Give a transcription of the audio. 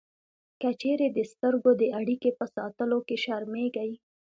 که چېرې د سترګو د اړیکې په ساتلو کې شرمېږئ